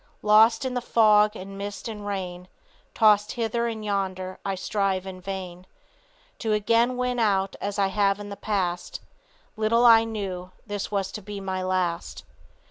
Lost in the fog and mist and rain; Tossed hither and yonder I strive in vain To again win out as I have in the past; Little I knew this was to be my last.